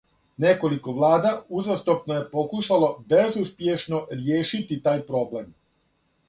Неколико влада узастопно је покушало безуспјешно ријешити тај проблем.